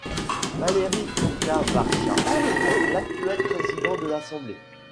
Valery Kvarchia est l'actuel président de l'assemblée.